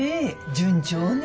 順調ね？